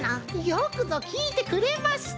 よくぞきいてくれました！